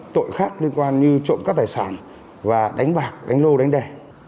tội khác liên quan như trộm các tài sản và đánh bạc đánh lô đánh đè